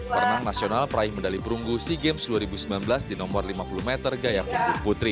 perenang nasional peraih medali perunggu sea games dua ribu sembilan belas di nomor lima puluh meter gaya punggung putri